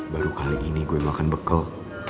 baru kali ini gue makan bekal